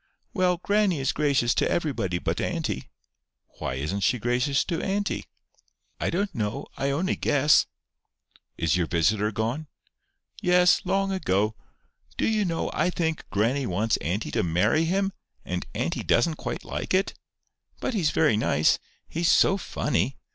"Well, grannie is gracious to everybody but auntie." "Why isn't she gracious to auntie?" "I don't know. I only guess." "Is your visitor gone?" "Yes, long ago. Do you know, I think grannie wants auntie to marry him, and auntie doesn't quite like it? But he's very nice. He's so funny!